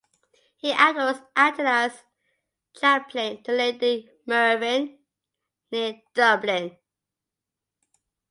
He afterwards acted as chaplain to Lady Mervin, near Dublin.